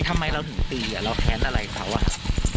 ทำไมเราถึงตีเราแค้นอะไรเขาอ่ะ